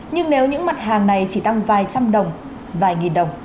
nhưng nếu những mặt hàng này chỉ tăng vài trăm đồng vài nghìn đồng